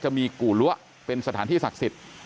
กู่รั้วเป็นสถานที่ศักดิ์สิทธิ์